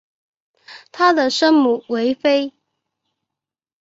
她的生母韦妃。